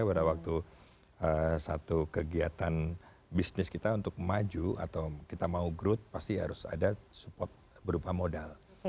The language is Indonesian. pada waktu satu kegiatan bisnis kita untuk maju atau kita mau growth pasti harus ada support berupa modal